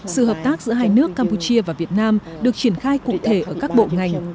sự hợp tác giữa hai nước campuchia và việt nam được triển khai cụ thể ở các bộ ngành